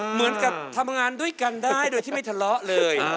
เหมือนกับทำงานด้วยกันได้โดยที่ไม่ทะเลาะเลย